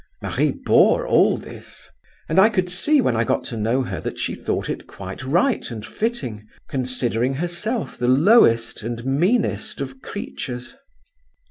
Marie bore all this; and I could see when I got to know her that she thought it quite right and fitting, considering herself the lowest and meanest of creatures.